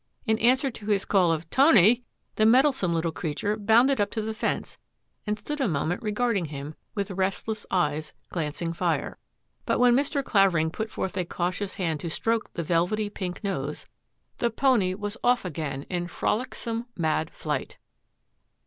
In answer to his call of " Tony !" the mettlesome little creature bounded up to the fence, and stood a moment regarding him, with restless eyes glancing fire. But when Mr. Clavering put forth a cautious hand to stroke the velvety pink nose, the pony was off again in frolicsome, mad flight.